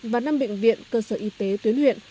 và năm bệnh viện cơ sở y tế tuyến huyện